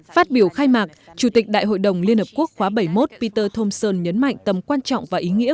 phát biểu khai mạc chủ tịch đại hội đồng liên hợp quốc khóa bảy mươi một peter homeson nhấn mạnh tầm quan trọng và ý nghĩa